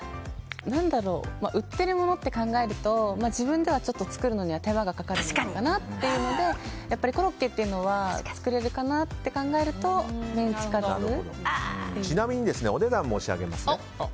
売ってるものって考えると自分では作るのに手間がかかるものかなというのでコロッケっていうのは作れるかなって考えるとちなみにお値段申し上げます。